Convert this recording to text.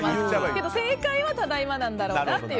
けど、正解はただいまなんだろうなと。